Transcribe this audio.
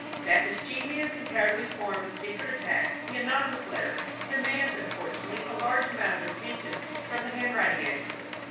That mischievous and cowardly form of secret attack, the anonymous letter, demands, unfortunately, a large amount of attention from the handwriting expert.